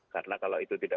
karena kalau itu tidak